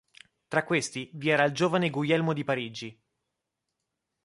Tra questi vi era il giovane Guglielmo di Parigi.